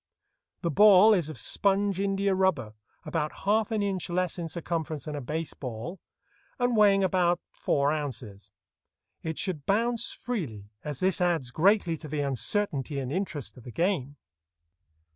The ball is of sponge india rubber, about half an inch less in circumference than a base ball, and weighing about four ounces. It should bounce freely, as this adds greatly to the uncertainty and interest of the game.